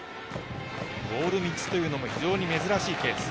ボール３つというのも非常に珍しいケース。